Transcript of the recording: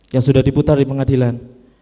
yang sudah diputar di pengadilan